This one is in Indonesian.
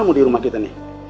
mau di rumah kita nih